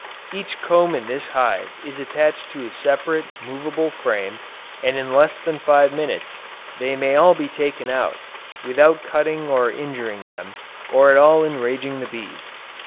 Each comb in this hive is attached to a separate, movable frame, and in less than five minutes they may all be taken out, without cutting or injuring them, or at all enraging the bees.